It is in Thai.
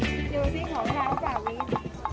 คิดว่าสิ่งของใครจ้ะวิทย์